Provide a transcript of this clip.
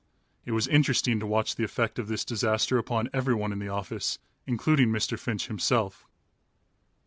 It was interesting to watch the effect of this disaster upon every one in the office, including Mr. Finch himself.